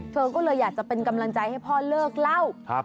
เธอก็เลยอยากจะเป็นกำลังใจให้พ่อเลิกเล่า